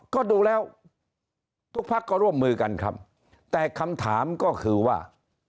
ก็ดูแล้วทุกพักก็ร่วมมือกันครับแต่คำถามก็คือว่า